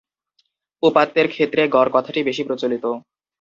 উপাত্তের ক্ষেত্রে গড় কথাটি বেশি প্রচলিত।